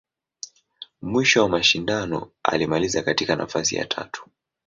Mwisho wa mashindano, alimaliza katika nafasi ya tatu.